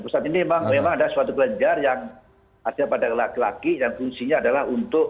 pusat ini memang memang ada suatu kelenjar yang ada pada laki laki yang fungsinya adalah untuk